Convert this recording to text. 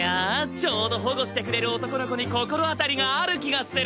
ちょうど保護してくれる男の子に心当たりがある気がする！